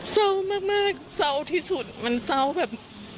เศร้ามากเศร้าที่สุดมันเศร้าแบบ